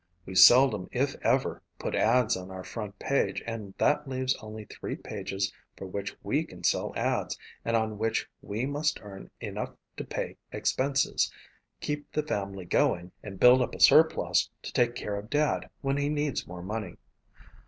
We seldom if ever put ads on our front page and that leaves only three pages for which we can sell ads and on which we must earn enough to pay expenses, keep the family going and build up a surplus to take care of Dad when he needs more money.